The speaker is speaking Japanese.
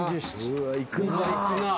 うーわいくなぁ。